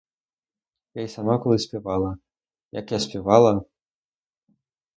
Я й сама колись співала: як я співала!